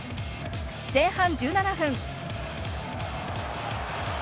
前半１７分。